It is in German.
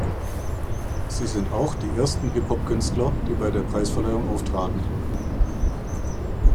Sie sind auch die ersten Hip-Hop-Künstler, die bei der Preisverleihung auftraten.